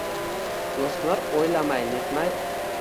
o‘smir o‘ylamay-netmay